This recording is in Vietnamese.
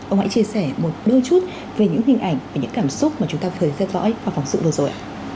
ông hãy chia sẻ một đôi chút về những hình ảnh và những cảm xúc mà chúng ta phải xét rõ vào phòng sự vừa rồi ạ